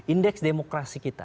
indeks demokrasi kita